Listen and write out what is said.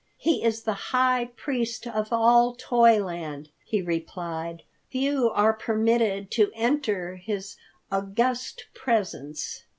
"He is the high priest of all Toyland," he replied. "Few are permitted to enter his august presence."